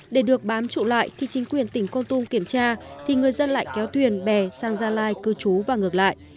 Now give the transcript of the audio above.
để được bám trụ lại thì chính quyền tỉnh con tum kiểm tra thì người dân lại kéo thuyền bè sang gia lai cư trú và ngược lại